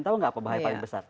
tau gak apa bahaya paling besar